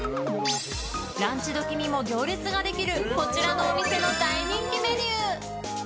ランチ時にも行列ができるこちらのお店の大人気メニュー。